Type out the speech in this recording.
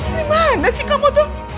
di mana sih kamu tuh